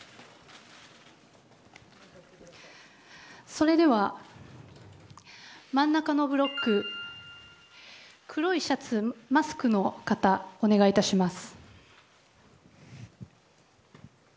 それでは真ん中のブロック黒いシャツ、マスクの方お願いいたします。